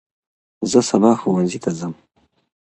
زه سباه ښوونځي ته ځم.